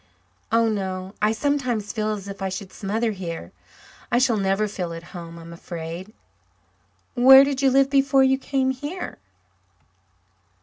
"Oh, no. I sometimes feel as if I should smother here. I shall never feel at home, I am afraid." "Where did you live before you came here?"